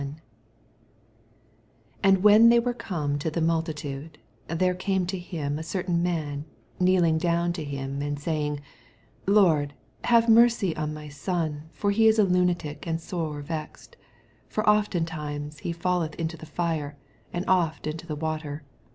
14 And when they were come to khe multitude, there came to him a certain man, kneeling down to him, Mid sayinff, 15 llora, have mercy on my son for he is lunatic, and Bore vexed . for ofttimes he falleth into the fire, and oft into the water.